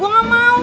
gue nggak mau